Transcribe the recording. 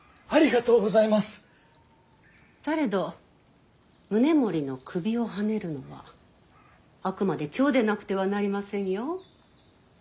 されど宗盛の首をはねるのはあくまで京でなくてはなりませんよ。